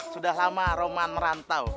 sudah lama roman merantau